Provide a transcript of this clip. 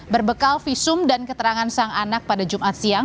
berbekal visum dan keterangan sang anak pada jumat siang